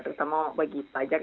terutama bagi pajak